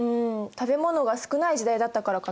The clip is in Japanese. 食べ物が少ない時代だったからかな。